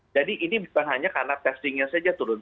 jadi ini bukan hanya karena testingnya saja turun